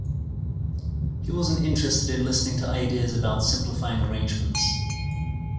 He wasn't interested in listening to ideas about simplifying arrangements.